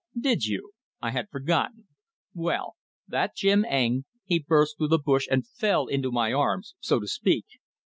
"Did you? I had forgotten. Well, that Jim Eng, he burst through the bush and fell into my arms, so to speak.